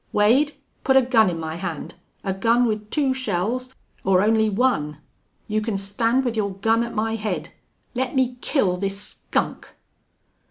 Wade, put a gun in my hand a gun with two shells or only one. You can stand with your gun at my head.... Let me kill this skunk!"